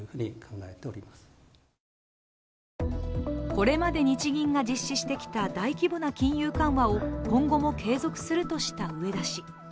これまで日銀が実施してきた大規模な金融緩和を今後も継続するとした植田氏。